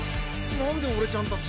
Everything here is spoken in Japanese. なんで俺ちゃんたち。